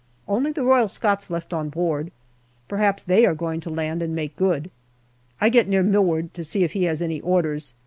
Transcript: Only the Royal Scots left on board. Perhaps they are going to land and make good. I get near Milward to see if he has any orders.